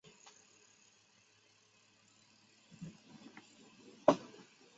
出身海宁查氏望族。